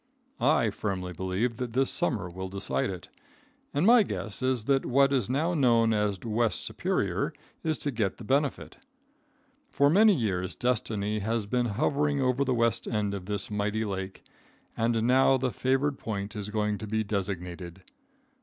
I firmly believe that this summer will decide it, and my guess is that what is now known as West Superior is to get the benefit. For many years destiny has been hovering over the west end of this mighty lake, and now the favored point is going to be designated.